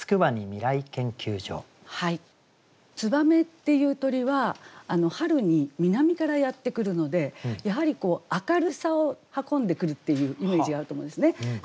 燕っていう鳥は春に南からやって来るのでやはり明るさを運んでくるっていうイメージがあると思うんですね。